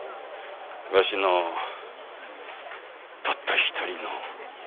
わしのたった一人の孫や。